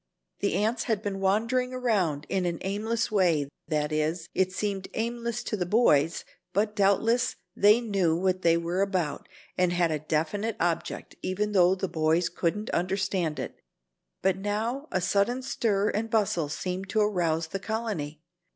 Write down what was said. The ants had been wandering around in an aimless way that is, it seemed aimless to the boys, but doubtless they knew what they were about and had a definite object, even though the boys couldn't understand it. But now a sudden stir and bustle seemed to arouse the colony.